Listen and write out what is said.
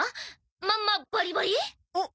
まんまバリバリ？おっ！